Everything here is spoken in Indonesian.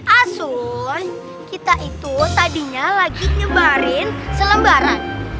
asun kita itu tadinya lagi nyebarin selembaran